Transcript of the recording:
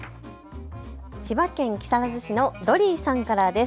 千葉県木更津市のドリーさんからです。